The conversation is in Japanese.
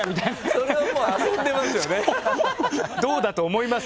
それはもう遊んでますよね。